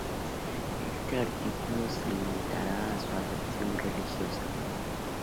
Este artículo se limitará a su acepción religiosa.